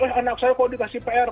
eh anak saya kok dikasih pr